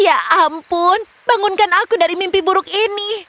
ya ampun bangunkan aku dari mimpi buruk ini